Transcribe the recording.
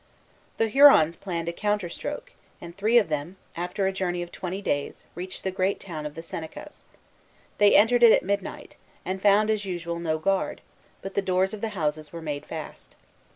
The Hurons planned a counter stroke; and three of them, after a journey of twenty days, reached the great town of the Senecas. They entered it at midnight, and found, as usual, no guard; but the doors of the houses were made fast.